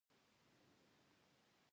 زه هم ډېر خوشحاله وم چې دوی خوشحاله دي.